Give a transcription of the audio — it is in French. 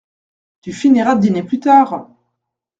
Tu finiras de dîner plus tard !